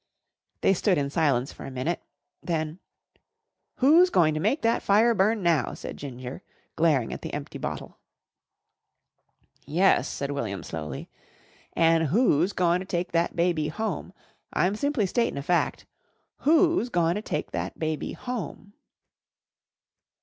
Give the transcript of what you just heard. They stood in silence for a minute. Then, "Who's going to make that fire burn now?" said Ginger, glaring at the empty bottle. "Yes," said William slowly, "an' who's goin' to take that baby home? I'm simply statin' a fact. Who's goin' to take that baby home?"